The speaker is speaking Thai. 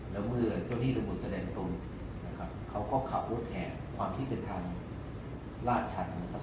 แล้วเมื่อเจ้าพี่บุค๒๐๑๖นะครับเขาก็ข่าวแผนความที่เป็นทางลาชันนะครับ